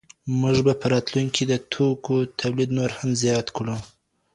موږ به په راتلونکي کي د توکو تولید نور هم زیات کړو.